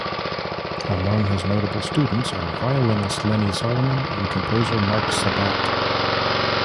Among his notable students are violinist Lenny Solomon and composer Marc Sabat.